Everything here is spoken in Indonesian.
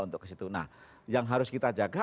untuk kesitu nah yang harus kita jaga